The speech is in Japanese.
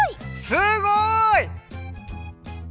すごい！